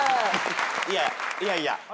いやいや。